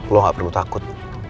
lo gak perlu takut